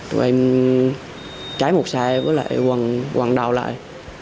rồi trái một xe với lại quần đào lại